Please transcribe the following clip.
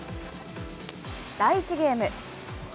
第１ゲーム。